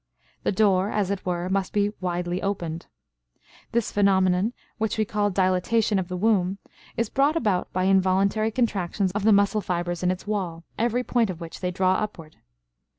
The door, as it were, must be widely opened. This phenomenon, which we call dilatation of the womb, is brought about by involuntary contractions of the muscle fibers in its wall, every point of which they draw upward.